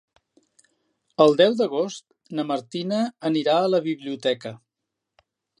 El deu d'agost na Martina anirà a la biblioteca.